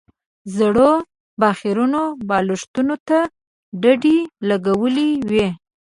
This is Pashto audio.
زړو به خيرنو بالښتونو ته ډډې لګولې وې.